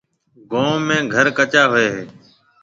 گوم ۾ گهر ڪَچا هوئي هيَ۔